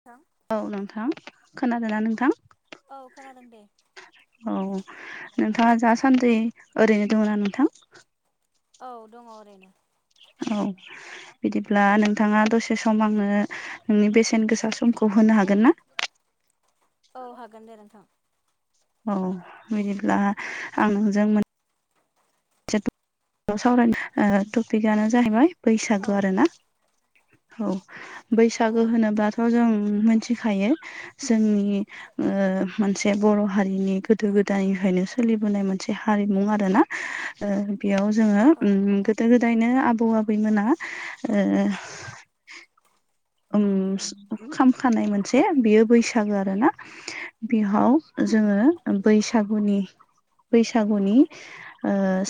[unintelligible] औ नोंथां, खोनादोंना नोंथां? औ खोनादों दे औ नोंथाङा जासान्दि ओरैनो दङ ना नोंथां? औ दङ ओरैनो औ बिदिब्ला नोंथाङा दसे सम आङो नोंनि बेसेन गोसा समखौ होनो हागोन ना? औ हागोन दे नोंथां। औ बिदिब्ला आं नोंजों मोन सावरायनाय टपिकआनो जाहैबाय बैसागु औ आरोना औ। औ बैसागो होनोब्लाथ' जों मिथिखायो जोंनि ओ मोनसे बर' हारिनि गोदो गोदायनिफ्रायनो सोलिबोनाय मोनसे हारिमु आरो ना। ओ बेयाव जोङो औ ओम गोदो गोदायनो आबौ आबैमोना ओ ओम खामखानाय मोनसे बियो बैसागो आरो ना बिहाव जोङो बैसागुनि ओ बैसागुनि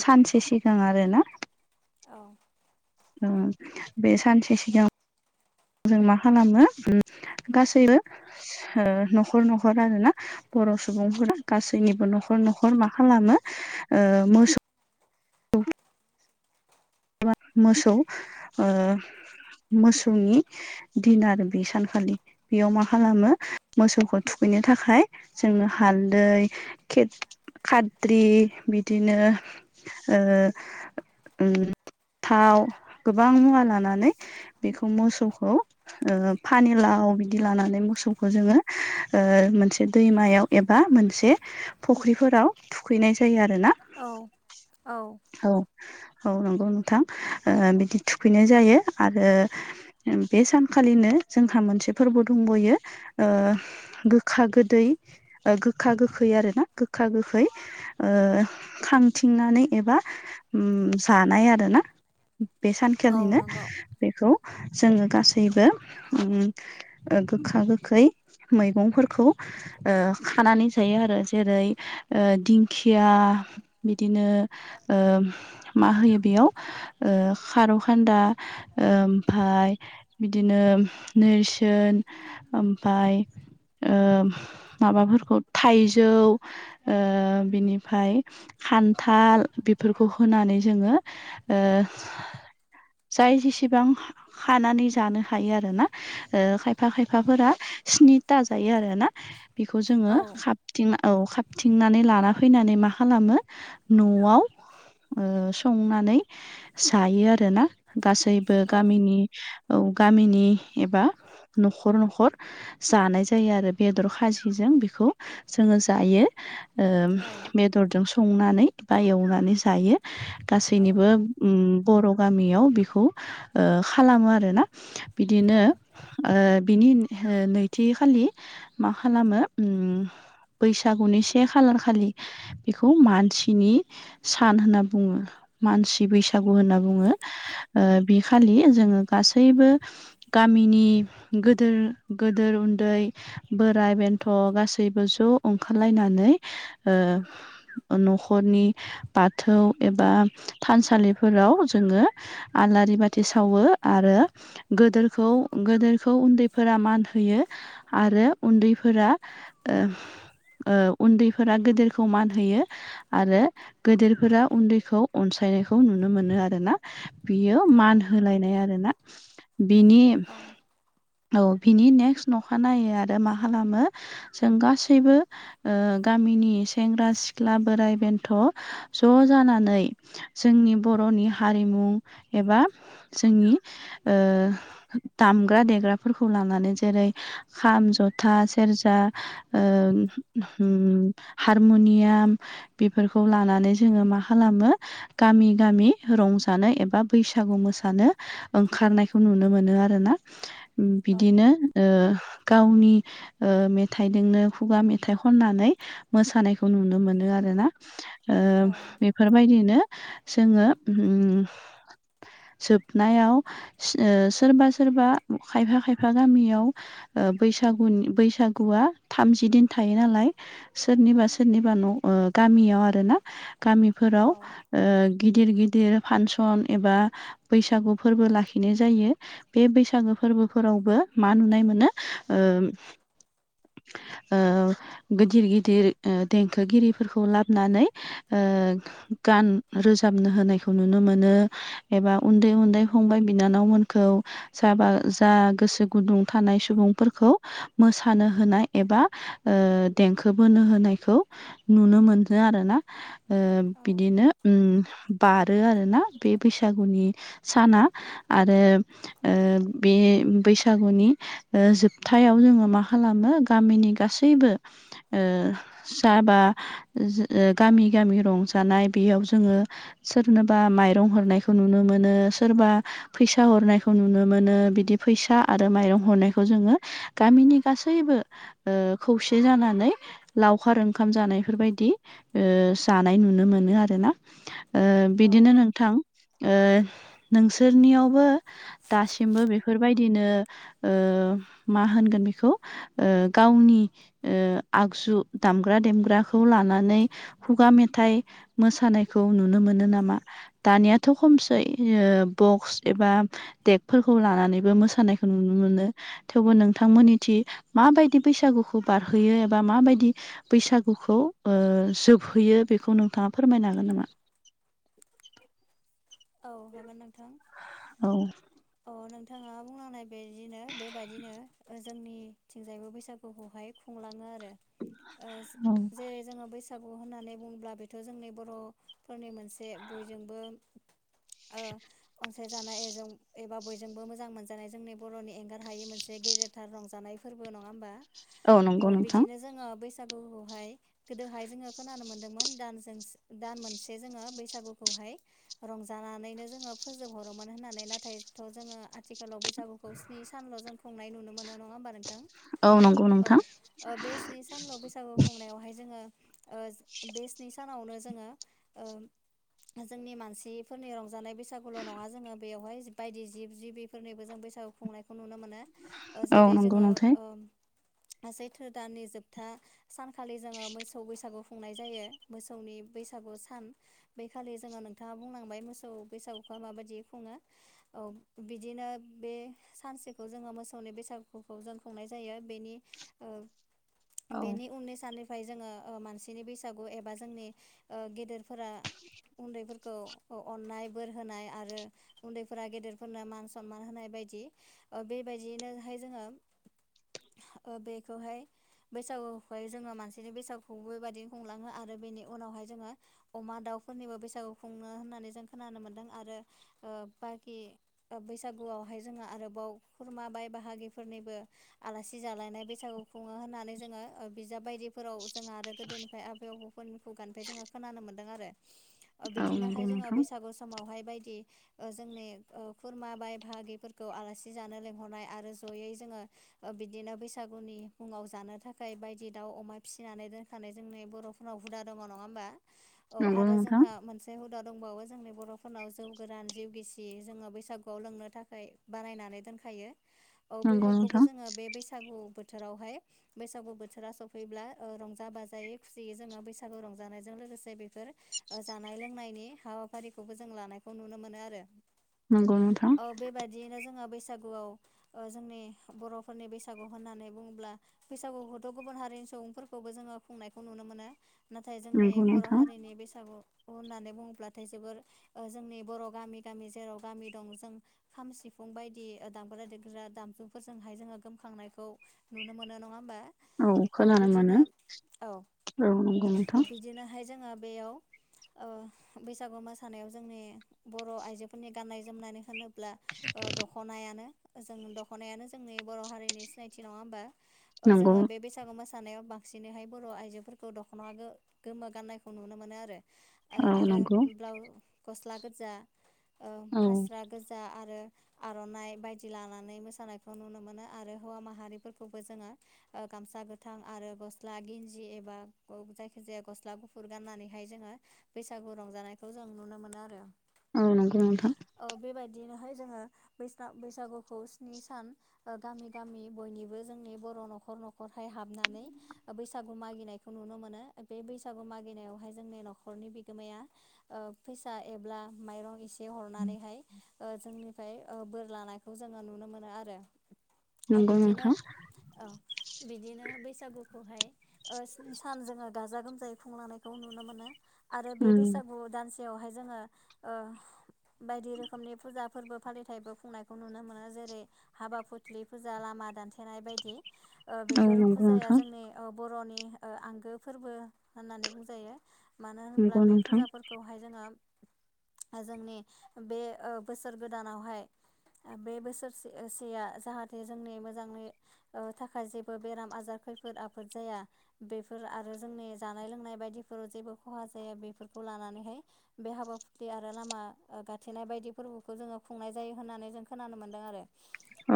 सानसे सिगां आरो ना। औ औ बे सानसे सिगां जों मा खालामो गासैबो ओ न'खर न'खर आरोना। बर' सुबुंफोरा गासैनिबो न'खर न'खर मा खालामो ओ मोसौ मोसौ ओ मोसौनि दिन आरो बे सानखालि बेयाव मा खालामो मोसौखौ थुखैनो थाखाय जोङो हालदै खेत-खाद्रि बिदिनो ओ ओम थाव गोबां मुवा लानानै बेखौ मोसौखौ ओ फानिलाव बिदि लानानै मोसौखौ जोङो ओ मोनसे दैमायाव एबा मोनसे फख्रिफोराव थुखैनाय जायो आरो ना। औ औ औ औ नंगौ नोंथां ओ बिदि थुखैनाय जायो आरो बे सानखालिनो जोंहा मोनसे फोरबो दंबयो ओ गोखा गोदै ओ गोखा गोखै आर ना गोखा गोखै ओ खांथिंनानै एबा ओम जानाय आरोना बे औ सानखालिनो नंगौ बेखौ जोङो गासैबो ओम गोखा गोखै मैगंफोरखौ ओ खानानै जायो आरो जेरै ओ दिंखिया बिदिनो ओ मा होयो बेयाव ओ खारौ खान्दा ओमफ्राय बिदिनो नेरसोन ओमफाय ओ माबाफोरखौ थाइजौ ओ बिनिफ्राय खान्थाल बेफोरखौ होनानै जोङो ओ जाय जेसेबां खानानै जानो हायो आरो ना ओ खायफा खायफाफोरा स्निथा जायो आरो ना बेखौ जोङो औ खा थिं औ खाबथिंनानै लाना फैनानै मा खालामो न'आव ओ संनानै जायो आरोना गासैबो औ गामिनि औ गामिनि एबा न'खर न'खर जानाय जायो आरो बेदर खाजिजों बेखौ जोङो जायो। ओ औ औ बेदरजों संनानै बा एव नै जायो। औ गासैनिबो ओम बर' गामियाव बेखौ खालामो आरोना। औ बिदिनो ओ बिनि नैथि खालि मा खालामो बैसागुनि से खालार खालि बेखौ मानसिनि सान होनना बुङो मानसि बैसागु होनना बुङो। ओ बे खालि जोङो गासैबो गामिनि गोदोर गोदोर उन्दै बोराय बेन्थ' गासैबो ज' ओंखारलायनानै ओ न'खरनि बाथौ एबा थानसालिफोराव जोङो आलारि बाथि सावो आरो गोदोरखौ गोदोरखौ उन्दैफोरा मान होयो आरो उन्दैफोरा ओ ओ उन्दैफोरा गोदोरखौ मान होयो आरो गेदेरफोरा उन्दैखौ अनसायनायखौ नुनो मोनो आरोना। बियो औ मान होलायनाय आरोना। बिनि औ औ बिनि नेक्स्ट नखानायै आरो मा खालामो जों गासैबो गामिनि सेंग्रा सिख्ला, बोराइ बेन्थ' ज' जानानै जोंनि बर'नि हारिमु एबा जोंनि ओ दामग्रा देग्राफोरखौ लानानै जेरै खाम, जथा, सेरजा हारमुनियाम बिफोर खौ लानानै जोङो मा खालामो गामि गामि रंजानो एबा बैसागु मोसानो ओंखारनायखौ नुनो मोनो आरोना। बिदिनो ओ गावनि मेथाइदोंनो खुगा मेथाइ खननानै मोसानायखौ नुनो मोनो आरोना ओ औ बेफोरबायदिनो जोङो जोबनायाव सोरबा सोरबा खायफा खायफा गामियाव ओ बैसागुनि बैसागुआ थामजि दिन थायो नालाय। सोरनिबा सोरनिबा न' गामियाव आरोना गामिफोराव गिदिर गिदिर फानसन एबा बैसागु फोरबो लाखिनाय जायो। बे बैसागो फोरबोफोरावबो मा नुनाय मोनो ओ ओ गिदिर गिदिर ओ देंखोगिरि फोरखौ लाबोनानै ओ गान रोजाबनो होनायखौ नुनो मोनो। एबा उन्दै उन्दै फंबाय बिनानावमोनखौ जाबा जा गोसो गुदुं थानाय सुबुंफोरखौ मोसानो होनाय एबा देंखो बोनो होनायखौ नुनो मोनो आरोना। ओ औ बिदिनो उम बारो आरोना बे बैसागुनि साना। आरो बे बैसागुनि जोबथायाव जोङो मा खालामो गामिनि गासैबो जाबा गामि गामि रंजानाय बेयाव जोङो सोरनोबा माइरं हरनायखौ नुनो मोनो, सोरबा फैसा हरनायखौ नुनो मोनो। बिदि फैसा आरो माइरं हरनायखौ जोङो गामिनि गासैबो ओ खौसे जानानै लावखार ओंखाम जानाय बेफोरबायदि जानाय नुनो मोनो आरोना। बिदिनो नोंथां ओ नोंसोरनियावबो दासिमबो बेफोरबायदिनो ओ मा होनगोन बिखौ गावनि आगजु दामग्रा देमग्रा खौ लानानै खुगा मेथाइ मोसानायखौ नुनो मोनो नामा? दानियाथ' खमसै बक्स एबा देगफोरखौ लानानैबो मोसानायखौ नुनो मोनो थेवबो नोंथांमोननि थिं माबायदि बैसागुखौ बारहोयो एबा माबायदि बैसागुखौ खौ ओ जोबहैयो बेखौ नोंथाङा फोरमायनो हागोन नामा। औ हागोन नोंथां औ। अ नोंथाङा बुंलांनाय बिदिनो बेबायाददिनो जोंनिथिंजायबो बैसागुखौहाय खुंलाङो आरो ओ औ जेरै जोङो बैसागु होननानै बुंङोब्ला बेथ' जोंनि बर'फोरनि मोनसे बयजोंबो ओ। अनसायजानायजों एबा बयजोंबो मोजां मोनजानाय जोंनि बर'नि एंगार हायि मोनसे गेदेर गोथार रंजानाय फोरबो नङा होमबा नंगौ औ नोंथां बिदिनो जोङो बैसागुखौहाय गोदोहाय जोङो खोनानो मोन्दोंमोन दान दान मोनसे जोङो बैसागुखौहाय रंजा जानानैनो जोङो फोजोबहरोमोन होननानै नाथायथ' जोङो आथिखालाव बैसागुखौ नि सानल' जों खुंनाय नुनो मोनो नङा होमबा नोंथां औ नंगौ नोंथां औ बे स्नि सानल' बैसागु खुंनायावहाय जोङो बे स्नि सानावनो जोङो ओ जोंनि मानसि फोरनि रंजानाय बैसागुल' नङा जोङो बेवहाय बायदि जिब जिबि बेफोरनिबो जों बैसागु खुंनायखौ नुनो मोनो औ जेरै नंगौ जोङो नोंथां सैथो दाननि जोबथा सानखालि जोङो मोसौ बैसागु खुंनाय जायो मोसौनि बैसागु सान बेैखालि जोङो नोंथाङा बुंलांबाय मोसौ बैसागुखौ माबायदि खुङो औ बिदिनो बे सानसेखौ जोङो मोसौनि बैसागुखौ जों खुंनाय जायो बेनि औ बेनि उननि सान फ्राय जोङो मानसिनि बैसागु एबा जोंनि ओ गेदेरफोरा उन्दैफोरखौ अननाय बोर होनाय आरो उन्दैफोरा गेदेरफोरनो मान सनमान होनाय बायदि ओ बेबायदियैनोहाय जोङो ओ बेखौहाय बैसागुखौहाय जोङो मानसिनि बैसागुबोबायाददिनो हुंलाङो आरो बेनि उनावहाय जोङो अमा दाउफोरनिबो बैसागु खुंनो होननानै जों खोनानो मोन्दों आरो बाखि बैसागुआवहाय जोङो आरोबाव खुरमा बाय बाहागिफोरनिबो आलासि जालायनाय बैसागु खुङो होननानै जोङो बिजाब बायदिफोराव जोङो आरो गोदोनिफ्राय आबै आबौ मोनखौ गानफै जोङो खोनानो मोन्दों आरो [inaudible] नंगौ बिदिनोहाय जोङो नोंथां बैसागु समावहाय बायदि जोंनि खुरमा बाय बाहागिफोरखौ आलासि जानो लेंंहरनाय आरो जयै जोङो बिदिनो बैसागुनि मुङाव जानो थाखाय बायदि दाउ अमा फिसिनानै दोनखानाय जोंनि बर' उनाव हुदा दङ नङा होमबा औ नंगौ आरो नोंथां जोंहा मोनसे हदाव दंबावो जोंनि बर'फोरनाव जौ गोरान जिउ गिसि जोङो बैसागुआव लोंनो थाखाय बानायनानै दोनखायो [inaudible] औ बैफोरखौबो नोंथां जोङो बे बैसागु बोथोरावहाय बैसागु बोथोरा सफैब्ला ओ रंजा बाजायै खुसियै जोङो बैसागु रंजानायजों लोगोसे बेफोर जानाय लोंनायनि हाबाफारिखौबो जों लानायखौ नुनो मोनो आरो। नंगौ नोंथां। बेबायदियैनो जोङो बैसागुआव जोंनि बर'फोरनि बैसागु होननानै बुङोब्ला बैसागुखौथ' गुबुन हारिनि सुबुंफोरखौबो जोङो खुंनायखौ नुनो मोनो। नाथाय जोंनि नंगौ बर' नोंथां हारिनि बैसागुखौ होननानै बुंङ ब्लाथाय जोबोर ओ जोंनि बर' गामि- गामि जेराव गामि दं जों खाम सिफुं बायदि दामग्रा देग्रा दामजुफोरजोंहाय जोङो गोमखांनायखौ नुनो मोनो नङा होमबा औ खोनानो मोनो बिदिनो औ औ नंगौ नोंथां बिदिनोहाय जोङो बेयाव ओ बैसागु मोसानायाव जोंनि बर' आइजोफोरनि गाननाय जोमनाय होनो ब्ला ओ दख दख'नायानो जों दख'नायानो जोंनि बर' हारिनि सिनायथि नङा होनबा नंगौ जोङो बेस बैसागु मोसानायाव बांसिनैहाय बर' आइजोफोरखौ दख'ना गो-गोमो गाननायखौ नुनो मोनो आरो। औ नंगौ। ब्लाउ गस्ला गोजा ओ औ फास्रा गोजा आरो आर'नाइ बायदि लानानै मोसानायखौ नुनो मोनो आरो हौवा माहारिफोरखौबो जोङो गामसा गोथां आरो गस्ला गिन्जि एबा जायखि जाया गस्ला गुफ फुर गाननानैहाय जोङो बैसागु रंजानायखौ जों नुनो मोनो आरो। औ नंगौ नोंथां। ओ बेबायदिनोहाय जोङो बैसा-बैसागुखौ स्नि सान ओ गामि गामि बयनिबो जोंनि बर' न'खर न'खरहाय हाबनानै बैसागु मागिनायखौ नुनो मोनो बे बैसागु मागिनायावहाय जोंनि न'खरनि बिग गोमाया ओ फैसा एब्ला माइरं एसे हरनानैहाय जोंनिफ्राय बोर लानायखौ जोङो नुनो मोनो आरो। नंगौ बिदिनो नोंथां औ बिदिनो बैसागुखौहाय ओ स्नि सान जोङो गाजा गोमजायै खुंलांनायखौ नुनो मोनो आरो बे उम बैसागु दानसेयावहाय जोङो ओ बायदि रोखोमनि फुजा फोरबो फालिथायाइबो खुंनायखौ नुनो मोनो जेरै हाबा फुथलि फुजा लामा दानथेनाय बायदि ओ औ बेफोर नंगौ फुजाया नोंथां जोंनि बर'नि आंगो फोरबो होननानै बुंजायो। मानो होनब्ला नंगौ बे नोंथां फुजाफोरखौहाय जोङो जोंनि बे ओ बोसोर गोदानावहाय बे बोसोरसे सेया जाहाथे जोंनि मोजाङै ओ थाखाय जेबो बेराम आजार खैफोद आफोद जाया बेफोर आरो जोंनि जानाय लोंनाय बायदिफोराव जेबो खहा जाया बेफोरखौ लानानैहाय बे हाबाफुथि आरो लामा गाथेनाय बायदि फोरबोखौ जोङो खुंनाय जायो होननानै जों खोनानो मोन्दों आरो।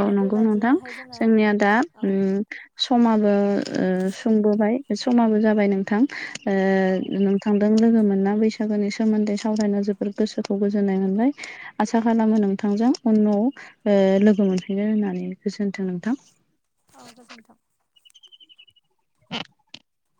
औ नंगौ नोंथां बेबादियैनोहाय जोङो जोंनिया दा औ उम समाबो सुंबोबाय समाबो जाबाय नोंथां ओ औ नों थांजों लोगो मोनना बैसागोनि सोमोन्दै सावरायना जोबोद गोसोखौ गोजोनाय मोनबाय। आसा खालामो नोंथांजों उनआव ओ लोगो मोन [unintelligible] होननानै गोजोन्थों नोंथां। औ गोजोन्थों। [inaudible]